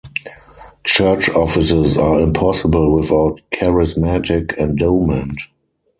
Church offices are impossible without charismatic endowment.